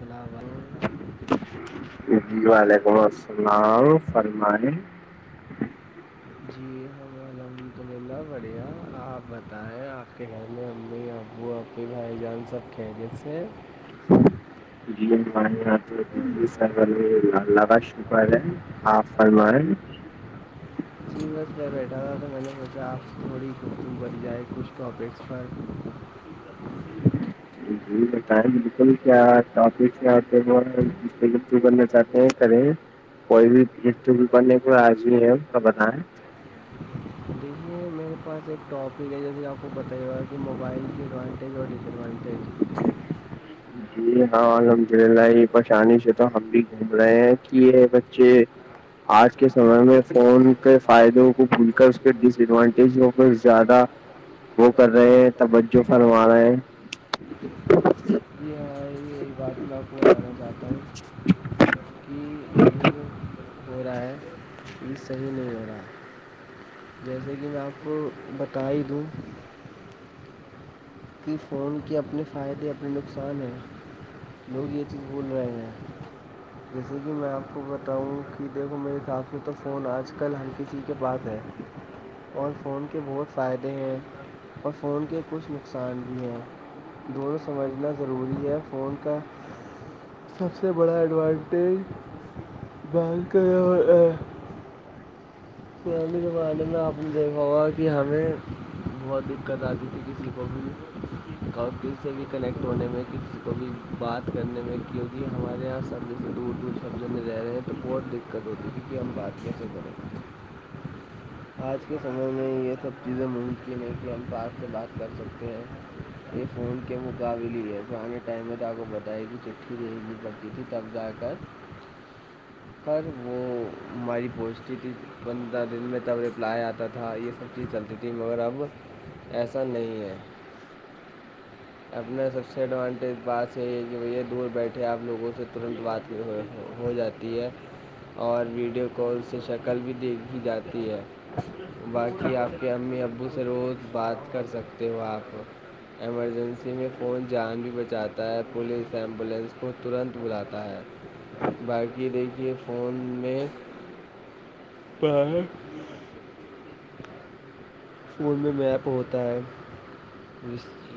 بلا جی وعلیکم السلام فرمائ جی ہم الحمد للہ بڑھیا آپ بتائیں آپ کے گھر میں امی ابو اب ا بھائی جان سب کہریت سے جی آ یہ سرا شکر ہے ہاں فرمائیں جی بس کر بیٹھا تھا تو میں نے سوچا آپ سے تھوڑی ککم بن جائے کچھ ٹاپکس پر [unintelligible] جی بتائیں بالکل کیا نا چاہتے ہیں کرے کوئی بھینے کو آجی ہے کا بتائیں دیکے میں پاس ایکٹاپک ہے جیسے آپ کو پت ہی ہوا کہ موبائل کی ایڈوانٹیج اور ڈس ایڈوانٹیج جی اچھا [unintelligible] [inaudible] جی ہاں الحمد للہ یہ پریشانی سے تو ہم بھی گھوم رہے ہیں کہ یہ بچے آج کے سمے میں فون کے فائدوں کو بھول کر اس کے ڈس ایڈوانٹیج زیادہ وہ کر رہے ہیں توجہ فرما رہا ہے یہ بات میں آپ کو بتانا چاہتا ہوں کہ یہ جو ہو رہا ہے یہ صحیح نہیں ہو رہا ہے جیسے کہ میں آپ کو بتا ہی دوں کہ فون کے اپنے فائدے اپنے نقصان ہیں لوگ یہ چیز بھول رہے ہیں جیسے کہ میں آپ کو بتاؤں کہ دیکھو میرے حساب سے تو فون آج کل ہر کسی کے پاس ہے اور فون کے بہت فائدے ہیں اور فون کے کچھق نقصان بھی ہے دونوں سمجھنا ضروری ہے فون کا سب سے بڑا ایڈوانٹیج بینک [unintelligible] می کے بانے میں آپ نے دیکھا ہوگا کہ ہمیں بہت دقت آتی تھی کسی کو بھی اور کسی سے بھی کنیکٹ ہونے میں ک تو بھیھی بات کرنے میں کیونکہ ہمارے یہاں سبزے سے دور دور سبزوں میں رہے ہیں تو بہت د دقت ہوتی تھی کہ ہم بات کیسے کریںے آج کے سمے میں یہ سب چیزیں ممکن ہے کہ ہم بات سے بات کر سکتے ہیں یہ فون کیا ہو گاولی ہے پ آانے ٹائم میں تو آپ کو بتائی کہ چٹھی دلنی پڑتی تھی تب جا کر پر وہ ہماری پوسٹی [unintelligible] پندرہ دن میں تب رپلائی آتا تھا یہ سب چیز چلتی تھی مگر اب ایسا نہیں ہے اپنا سب سے ایڈوانٹیج بات سے یہ ہے کہ بھیا دور بیٹھے آپ لوگوں سے ترنت بات ہو جاتی اور ویڈیو کال سے شکل بھی دیکھ بھی جاتی ہے باقی آپ کے امی ابو سے روز بات کر سکتے ہو آپ ایمرجنسی میں فون جان بھی بچاتا ہے پولیس ایمبولینس کو ترنت بلاتا ہے باقی دیکھیے فون میں ہ [unintelligible] فون میں میپ ہوتا ہے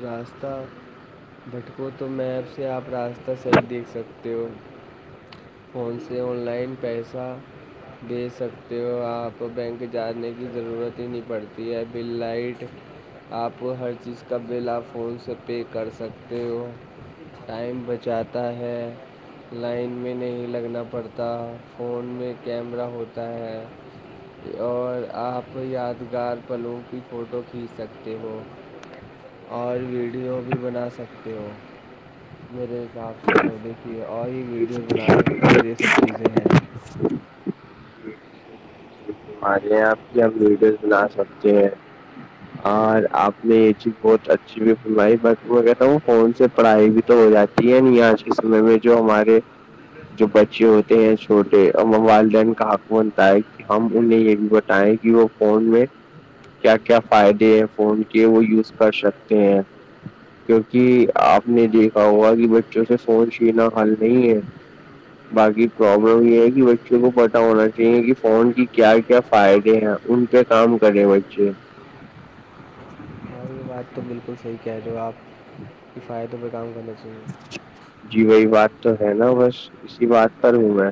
راستہ بھٹکو تو مپ سے آپ راستہ صحیح دیکھ سکتے ہو فون سے آن لائن پیسہ دے سکتے ہو آپ بینک جانے کی ضرورت ہی نہیں پڑتی پی آئی بیل لائٹ آپ ہر چیز کا بل آپ فون سے پے کر سکتے ہو ٹائم بچاتا ہے لائن میں نہیں لگنا پڑتا فون میں کیمرہ ہوتا ہے اور آپ یادگار پلوں کی فوٹو کھینچ سکتے ہو اور ویڈیو بھی بنا سکتے ہو میرے رپتے تو دیکھیے اور ہی ویڈیوز بنا سکتے ہو اور یہ سب چیزیں ہیں ہمارے یہاں آپ کی ویڈیوز بنا سکتے ہیں اور آپ نے یہ چیز بہت اچھی بھی بنوائی بٹ میں کہتا ہوں کون سے پڑھائی بھی تو ہو جاتی ہے ن آج کے سمے میں جو ہمارے جو بچے ہوتے ہیں چھوٹے اور والدین کا حقم بنتا ہے کہ ہم ان نے یہ بھی بتایا کہ وہ فون میں کیا کیا فائدے ہیں فون کے وہ یوز کر سکتے ہیں کیونکہ آپ نے دیکھا ہوا کہ بچوں سے فون چینا حل نہیں ہے باقی پرابلم یہ ہے کہ بچوں کو پتاہ ہونا چاہیے کہ فون کی کیا کیا فائدے ہیں ان پہ کام کرے بچے ہاں یہ بات تو بالکل صحیح کہہ ل آپ کفایتوں پہ کام کرنے چاہیے جی وہی بات تو ہے نا بس اسی بات پر ہوں میں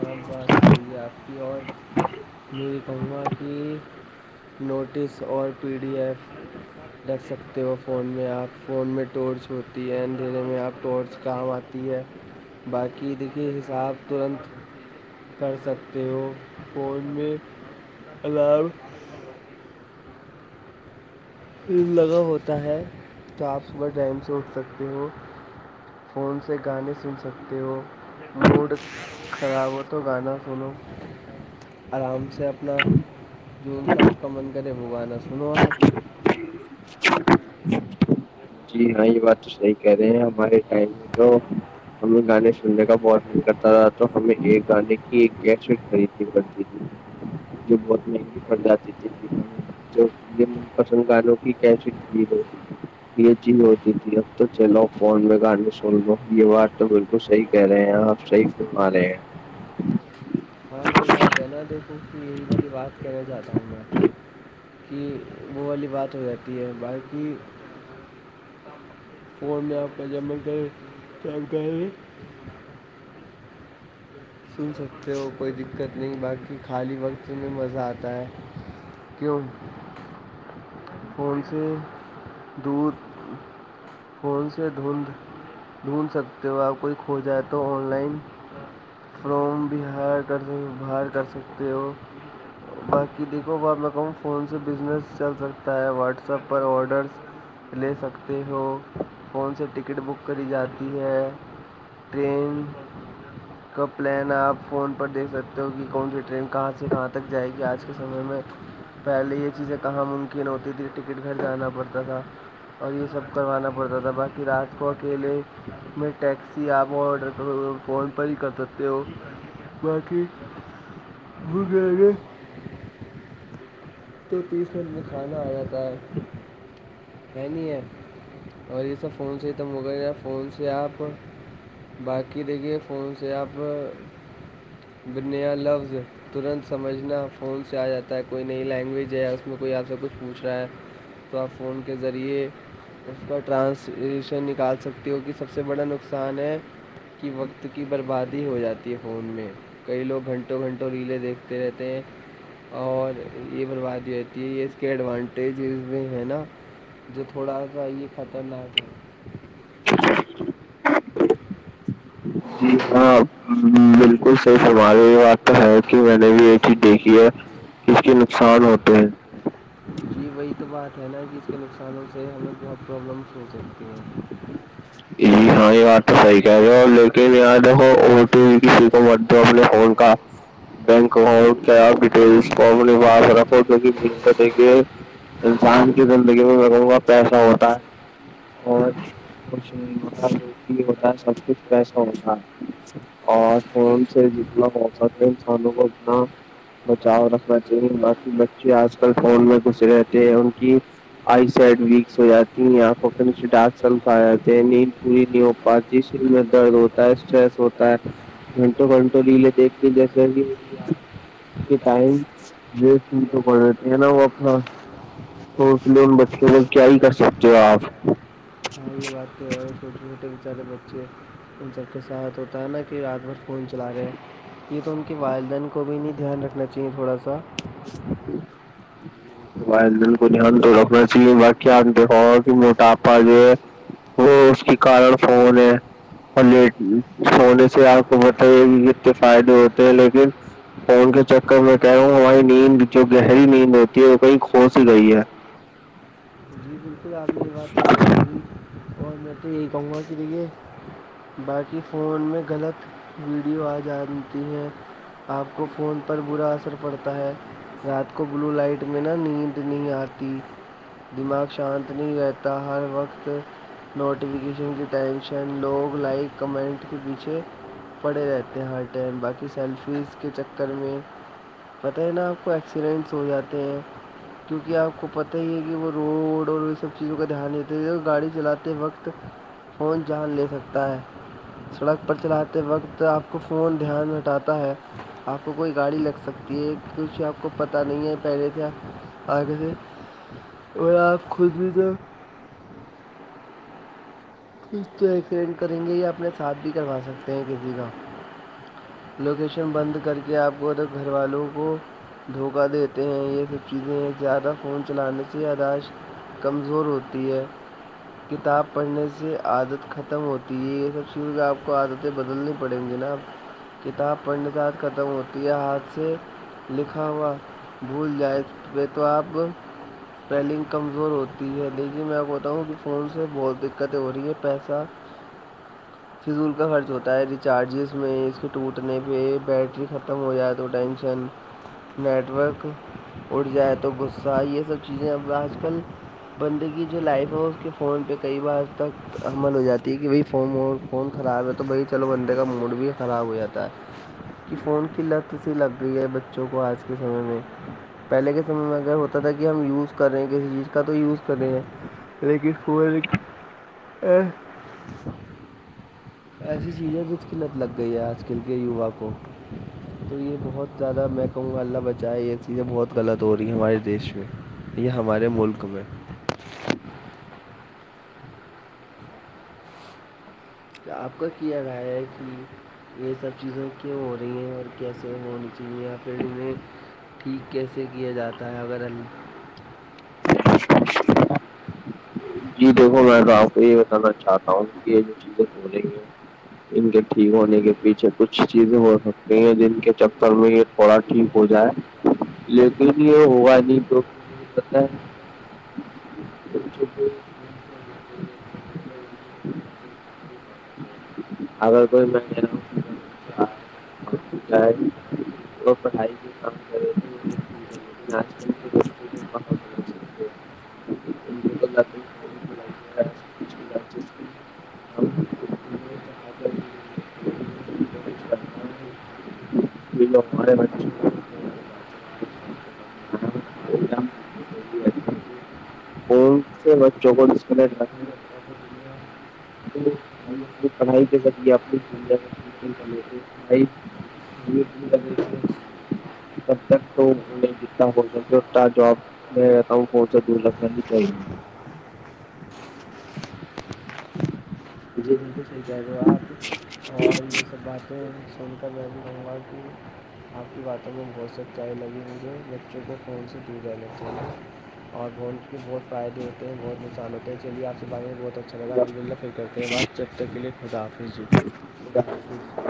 اور بات کریے آپ کی اور میری فا کی نوٹس اور پی ڈی ایف رکھ سکتے ہو فون میں آپ فون میں ٹورچ ہوتی ہے اندھیرے میں آپ ٹورچ کام آتی ہے باقی دھیے حساب ترنت کر سکتے ہو فون میں الار لگاؤ ہوتا ہے تو آپ صبح ٹائم سے اٹھ سکتے ہو فون سے گانے سن سکتے ہو موڈ خراب ہو تو گانا سنو آرام سے اپنا جون سا آپ کا من کرے وہ گانا سنو آپ [unintelligible] جی ہاں یہ بات تو صحیح کہہ رہے ہیں ہمارے ٹائم میں تو ہمیں گانے سننے کا بہت من کرتا تھا تو ہمیں ایک گانے کی ایک کیشٹ خریدنی پڑتی ت [unintelligible] جو بہت مہنگی پڑ جاتی تے بنا تو یہ من پسند گانوں کی کیسی کری ہو یہ چیز ہوتی تھی اب تو چلو فون میں گانے سن لو یہ بات تو بالکل صحیح کہہ رہے ہیں آپ صحیح ہمارے [unintelligible] ہاں وہی بات ہے نہ دیکھوں کہ یہی واللی بات کہنے جاہتا ہوں میں کہ وہ والی بات ہو جاتی ہے باققی فون میں آپ کا جمل کر سن سکتے ہو کوئی دقت نہیں باقی خالی وقت میں مزہ آتا ہے کیوں فون سے دودھ فون سے ڈھونھ ڈھونڈھ سکتے ہو آپ کوئی کھو جائے تو آن لائن فروم ب ہار کر بر کر سکتے ہو باقی دیکھو بہت لوگوں میں فون سے بزنس چل سکتا ہے واٹسپ پر آڈرس لے سکتے ہو فون سے ٹکٹ بک کری جاتی ہے ٹرین کا پلان ہے آپ فون پر دیکھ سکتے ہو کہ کون سی ٹرین کہاں سے کہاں تک جائے گی آج کے سمے میں پہلے یہ چیزیں کہاں ممکن ہوتی تھی ٹکٹ گٹ جانا پڑتا تھا اور یہ سب کروانا ہوتا تھا باقی راج کو اکیلے میں ٹیکسی آپ آڈر کرو کون پر ہی کر سکتے ہو باقیئے تو تیس منٹ میں کھانا آ جاتا ہے ہے نہیں ہے اور یہ سب فون سے ہی تو مکل گ فون سے آپ باقی د گے فون سے آپ بنیہ لفظ ترنت سمجھنا فون سے آ جاتا ہے کوئی نئی لینگویج ہے اس میں کوئی آپ سے کچھ پوچھ رہا ہے تو آپ فون کے ذریعے اس کا ٹرانسشن نکال سکتی ہو کہ سب سے بڑا نقصان ہے کہ وقت کی بربادی ہو جاتی ہے فون میں کئی لوگ گھنٹوں گھنٹوں ریلیں دیکھتے رہتے ہیں اور یہ برباد بھیتی یہ اس کے ایڈوانٹیجز بھی ہیں نا جو تھوڑا سا یہ خطرناک ہے [unintelligible] جی ہاں بالکل صحیح فرما رہے ہیں، یہ بات تو ہے کہ میں نے بھی یہ چیز دیکھی ہے کہ اس کے [unintelligible] [unintelligible] جی وہی تو بات ہے نا کہ اس کے نقصانوں سے ہمیں بہت پرابلمس ہو سکتی ہیں جی ہاں یہ بات تو صحیح کہہ رہے اور لوک دو تو دو اپنے اکاؤنٹ کا بینک اکاؤنٹ کیا ڈٹیلس کو باپ رکھو ج تو دیکھیے انسان کی زندگی میں ضوںا پیسہ ہوتا ہے اور کچھ نہیں ہوتا جو بھی ہوتا ہے سب کچھ پیسا ہوتا ہے اور فون سے جتنا پہسا انسانوں کو اتنا بچاؤ رکھنا چاہیے باقی بچے آج کل فون میں گھسے رہتے ہیں ان کی آئی سڈ ویکس ہو جاتی ہیں یہ آ پ نیچے ڈاک چ کھا ہیں نیند پوری نہیں ہو پاتی شر میں درد ہوتا ہے اسٹریس ہوتا ہے گھنٹوں گھنٹوں ل لے دیکھ کے جیسا ہی ٹائم ویسٹ نہیں تو پڑ جات ہے نا وہ اپنا صل بچ کے ب کیا ہی کر سکتے ہو آپ [unintelligible] چھٹے چھوٹے بچار ب ان سب کے ساتھ ہوتا ہے نا کہ رات بھر فون چلا گیا یہ تو ان کے والدین کو بھی نہیں دھیان رکھنا چاہیے تھوڑا سا ب د کو تو رکھنا چ بقی آنتے موٹاپہ اپاجے وہ اس کے کارن فون ہے اور سونے سے آپ کو بتے کہ کتنے فائدے ہوتے ہیں لیکن فون کے چکر میں کہہ رہا ہوں ہماری نیند جو گہری نیند ہوتی کہ وہ کہیں کھس ہی رہئی ہے پھر آپ نےری بات تو کہی کبھی اور میں تو یہی کہوں گا کہ دیکھیے باقی فون میں غلط ویڈیو آ جاتی ہیں آپ کو فون پر برا اثر پڑتا ہے رات کو بلو لائٹ میں نا نیند نہیں آتی دماغ سے شانت نہیں رہتا ہر وقت نوٹیفکیشن کی ٹینشن لوگ لائک کمنٹ کے پیچھے پڑے رہتے ہیں ہر ٹائم باقی سیلفیز کے چکر میں پتہ ہے نا آپ کو ایکسیڈنٹس ہو جاتے ہیں کیونکہ آپ کو پتہ ہی ہے کہ وہ روڈ سب چیزوں کا دھیان دیتے ہیں گاڑی چلاتے وقت فون جان لے سکتا ہے سڑک پر چلاتے وقت آپ کو فون دھیان ہٹاتا ہے آپ کو کوئی گاڑی لگ سکتی ہے کچھ آپ کو پتہ نہیں ہے پہلے سے آ تھے اور کود بھی تو تو ایکسریینٹ کریں گے یا اپنے ساتھ بھی کروا سکتے ہیں کسی کا لوکیشن بند کر کے آپ کو گھر والوں کو دھوکہ دیتے ہیں یہ سب چیزیں ہیں زیادہ فون چلانے سے اداش کمزور ہوتی ہے کتاب پڑھنے سے ج سے عادت ختم ہوتی ہے یہ سب چیز آپ کو عادتیں بدلنی پڑیں گی نا آپ کتاب پڑھنے سےاتھ ختم ہوتی ہے ہاتھ سے لکھا ہوا بھول جائے پہ تو آپ پیلنگ کمزور ہوتی ہے لیکھین میں بتاؤں کہ فون سے بہت کتے ہو رہییا پیسہ فضول کا خرچ ہوتا ہے ریچارجز میں اس کے ٹوٹنے پہ بیٹری ختم ہو جائے تو ٹینشن نیٹورک اڑ جائے تو غصہ یہ سب چیزیں اب آج کل بندے کی جو لائف ہے اس کے فون پہ کئی بار اب تک عمل ہو جاتی ہے کہ بھائی فون فون خراب ہے تو بھائی چلو بندے کا موڈ بھی خراب ہو جاتا ہے کہ فون کی لت سی لگ گئی ہے بچوں کو آج کے سمے میں پہلے کے سمے میں اگر ہوتا تھا کہ ہم یوز کر رہے ہیں کسی چیز کا تو یوز کر رہے ہیں لیک کوول [unintelligible] ایسی چیزیں بچ قلت لگ گئی ہے آج کل کے یوا کو تو یہ بہت زیادہ میں کہوں گا اللہ بچائے یہ چیزیں بہت غلط ہو رہی ہیں ہمارے دیش میں یہ ہمارے ملک میں تو آپ کا کیا رائے ہے کہ یہ سب چیزیں کی ہو رہی ہیں اور کیسے ہونی چاہیے یا پھر انیں ٹھیک کیسے کیا جاتا ہے اگر جی دیکھو میں تو آپ کو یہ بتانا چاہتا ہوں کہ یہ جو چیزیں ہو رہی ہیں ان کے ٹھیک ہونے کے پیچھے کچھ چیزیں ہو سکتی ہیں جن کے چکر میں یہ تھوڑا ٹھیک ہو جائے لیکن یہ ہوا نہیں کیوںکہ مجھے پت ہے ب [unintelligible] تو آگر کوئی میں [unintelligible] اور پڑھائی کے کام کرے تو وہ ٹھیک ہے [unintelligible] لیکن آج کا بنا سکتے بت جات [unintelligible] پچھ لجی سے [unintelligible] ہاں [unintelligible] ہاد بھی م [inaudible] م [unintelligible] تم تو تم ناری [unintelligible] [unintelligible] پڑھائی اپنی پڑھائی کے ذریعے اپنی دنیا ک ٹمٹ کر لیتے ہے پڑھائی تب تک تو ان [unintelligible] جتنا ہو سکے انا جاب میں رہتا ہوں ب سے دور رکھنے بھی چاہیے [unintelligible] بالک صحی کہ آپ اور یہ سب باتیں سن کر کہوں گا کہ [unintelligible] آپ کی باتوں میں بہت سچ چائی لگی مجھے بچوں کو فون سے دور رہنا چاہیے [unintelligible] اور وہ [unintelligible] یہ بہت فائد ہو ہیںہت نقصان ہوتے ہیں چلی آپ سے بے میں بہت اچھا لگا الحمد للہ پھر کرتے ہیں بعد [unintelligible] تقل خدافظ خدا حاظ [unintelligible]